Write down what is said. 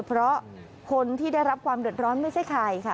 เพราะคนที่ได้รับความเดือดร้อนไม่ใช่ใครค่ะ